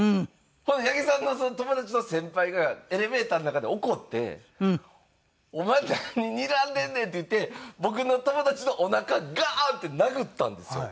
ほんなら八木さんの友達の先輩がエレベーターの中で怒って「お前何にらんでんねん！」って言って僕の友達のおなかガンッて殴ったんですよ。